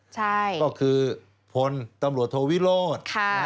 ใช่ก็คือฝนตำรวจโทวิโรนะครับ